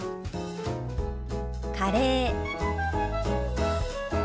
「カレー」。